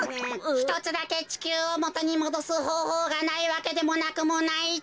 ひとつだけちきゅうをもとにもどすほうほうがないわけでもなくもないってか。